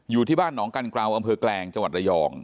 ที่บ้านหนองกันกราวอำเภอแกลงจังหวัดระยอง